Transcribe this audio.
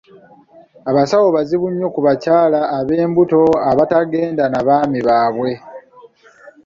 Abasawo bazibu nnyo ku bakyala ab'embuto abatagenda na baami baabwe.